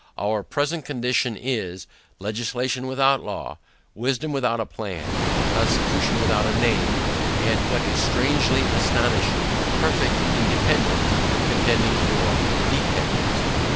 Our present condition, is, Legislation without law; wisdom without a plan; constitution without a name; and, what is strangely astonishing, perfect Independance contending for dependance.